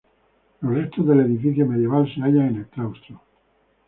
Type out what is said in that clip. Los restos del edificio medieval se hallan en el claustro.